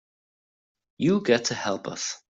You got to help us.